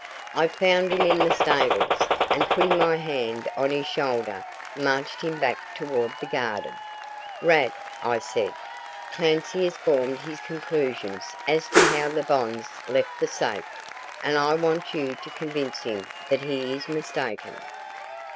I found him in the stables, and putting my hand on his shoulder, marched him back toward the garden. "Rad," I said, "Clancy has formed his conclusions as to how the bonds left the safe, and I want you to convince him that he is mistaken."